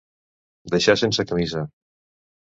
Deixar sense camisa.